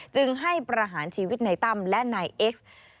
จึงให้ประหารชีวิตในตั้มและนายเอ็กซ์